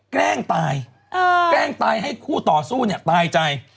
แกล้งตายแกล้งตายให้คู่ต่อสู้เนี่ยตายใจ